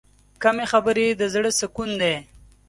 کمې خبرې، د زړه سکون دی.